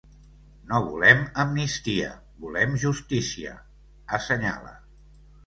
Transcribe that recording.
No volem amnistia, volem justícia, assenyala.